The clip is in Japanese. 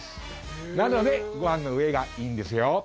なのでご飯の上がいいんですよ。